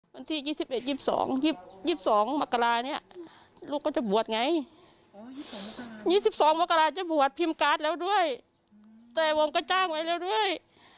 วันที่๒๑๒๒๒มกราเนี่ยลูกก็จะบวชไง๒๒มกราจะบวชพิมพ์การ์ดแล้วด้วยแต่วงก็จ้างไว้แล้วด้วย